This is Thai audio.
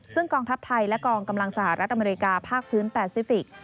ซึ่งกองทัพไทยและกองกำลังสหรัฐอเมริกาภาคพื้นแปซิฟิกส